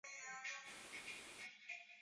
Nitatenda alivyo sema.